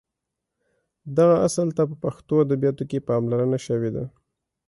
دغه اصل ته په پښتو ادبیاتو کې پاملرنه شوې ده.